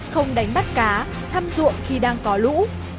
không đánh bắt cá thăm ruộng khi đang có lũ